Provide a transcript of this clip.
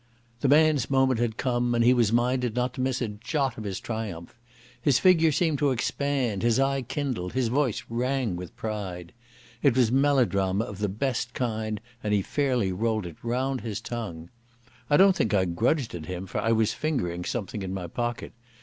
The man's moment had come, and he was minded not to miss a jot of his triumph. His figure seemed to expand, his eye kindled, his voice rang with pride. It was melodrama of the best kind and he fairly rolled it round his tongue. I don't think I grudged it him, for I was fingering something in my pocket.